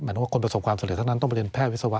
ว่าคนประสบความสำเร็จเท่านั้นต้องไปเรียนแพทย์วิศวั